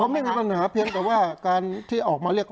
ไม่มีปัญหาเพียงแต่ว่าการที่ออกมาเรียก